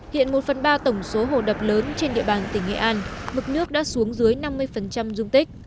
hiện một phần ba tổng số hồ đập lớn trên địa bàn tỉnh nghệ an mực nước đã xuống dưới năm mươi dung tích